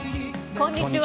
こんにちは。